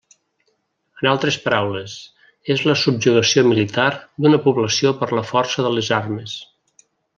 En altres paraules, és la subjugació militar d'una població per la força de les armes.